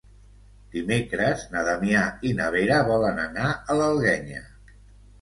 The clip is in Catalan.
Dimecres na Damià i na Vera volen anar a l'Alguenya.